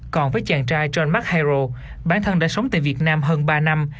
còn với chàng trai john mcharell bản thân đã sống tại việt nam hơn ba năm